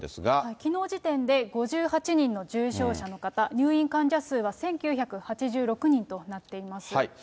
きのう時点で５８人の重症者の方、入院患者数は１９８６人となっています。